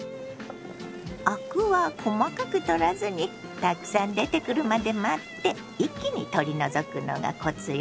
アクは細かく取らずにたくさん出てくるまで待って一気に取り除くのがコツよ。